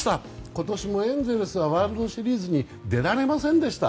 今年もエンゼルスはワールドシリーズに出られませんでした。